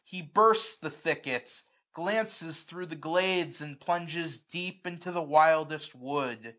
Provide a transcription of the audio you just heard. He bursts the thickets, glances thro* the glades, 435 And plunges deep into the wildest wood j 138 AUTUMN.